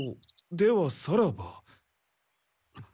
ではさらば」。